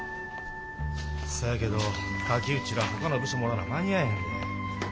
せやけど垣内らほかの部署もおらな間に合えへんで。